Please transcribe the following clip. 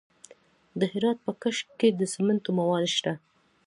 د هرات په کشک کې د سمنټو مواد شته.